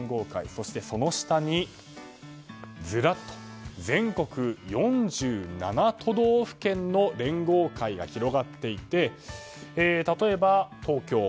そして、その下にずらっと全国４７都道府県の連合会が広がっていて例えば、東京。